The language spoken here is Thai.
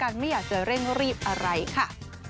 ไม่อยากจะเร่งรีบอะไรค่ะ